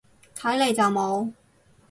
睇嚟就冇